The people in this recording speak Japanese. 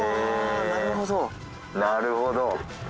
なるほど。